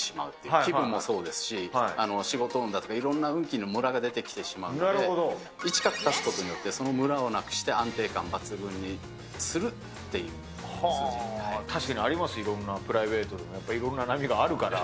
気分もそうですし、仕事運だったり、いろんな運気のむらが出てきてしまうので、一画足すことによってそのむらをなくして安定感抜群にするってい確かにあります、いろんなプライベートでもいろんな波があるから。